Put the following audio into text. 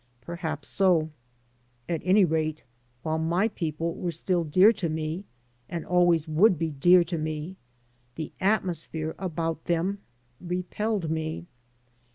Perhaps so. At any rate, while my people were still dear to me, and always would be dear to me, the atmosphere about them repelled me.